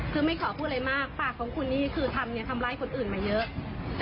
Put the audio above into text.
คือไม่ขอพูดอะไรมากปากของคุณนี่คือทำทำร้ายคนอื่นมาเยอะ